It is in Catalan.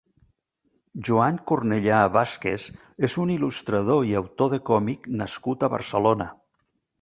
Joan Cornellà Vázquez és un il·lustrador i autor de còmic nascut a Barcelona.